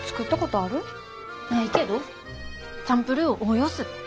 ないけどチャンプルーを応用する。